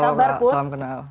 halo mbak salam kenal